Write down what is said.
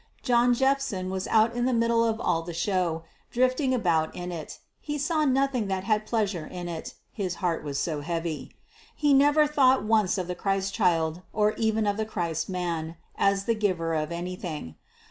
John Jephson was out in the middle of all the show, drifting about in it: he saw nothing that had pleasure in it, his heart was so heavy. He never thought once of the Christ child, or even of the Christ man, as the giver of anything.